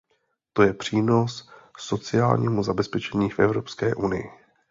To je přínos sociálnímu zabezpečení v Evropské unii.